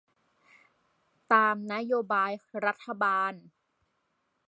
ตามนโยบายรัฐบาล